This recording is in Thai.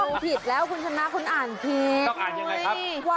ห้องผิดแล้วคุณชนะคุณอ่านผิดต้องอ่านยังไงครับ